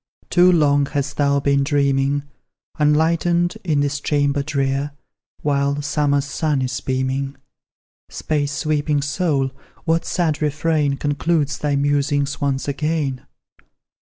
Too long hast thou been dreaming Unlightened, in this chamber drear, While summer's sun is beaming! Space sweeping soul, what sad refrain Concludes thy musings once again?